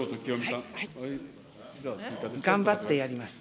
頑張ってやります。